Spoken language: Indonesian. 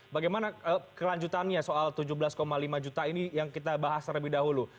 bagaimana kelanjutannya soal tujuh belas lima juta ini yang kita bahas terlebih dahulu